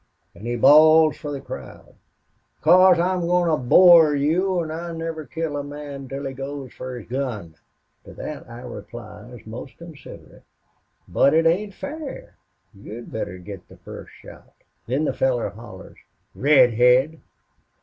"An' he bawls fer the crowd. ''Cause I'm a goin' to bore you, an' I never kill a man till he goes fer his gun.' "To thet I replies, more considerate: 'But it ain't fair. You'd better get the fust shot.' "Then the fool hollers, 'Redhead!